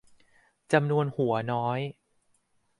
จำนวนหัวน้อย